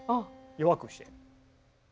弱く押して。